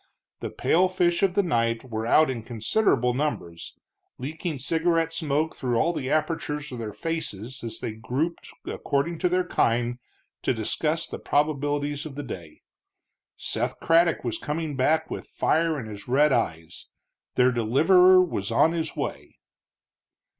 The pale fish of the night were out in considerable numbers, leaking cigarette smoke through all the apertures of their faces as they grouped according to their kind to discuss the probabilities of the day. Seth Craddock was coming back with fire in his red eyes; their deliverer was on his way.